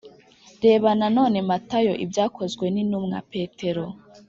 Reba nanone Matayo Ibyakozwenintumwa Petero